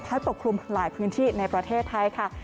ปกคลุมหลายพื้นที่ในประเทศไทยค่ะ